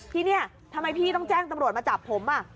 ที่นี่ทำไมพี่ต้องแจ้งตำรวจมาจับผม